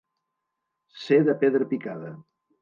Ser de pedra picada.